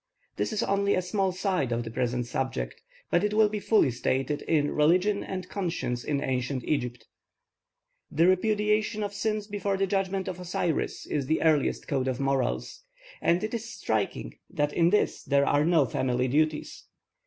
This is only a small side of the present subject, but it will be found fully stated in Religion and Conscience in Ancient Egypt. The repudiation of sins before the judgment of Osiris is the earliest code of morals, and it is striking that in this there are no family duties.